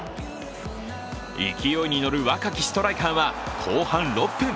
勢いに乗る若きストライカーは後半６分。